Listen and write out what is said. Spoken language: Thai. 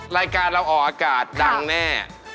รายการเราออกอากาศดังแน่ค่ะค่ะ